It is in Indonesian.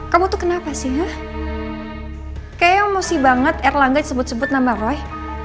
kamu tuh kenapa sih kayak emosi banget er langgan sebut sebut nama roy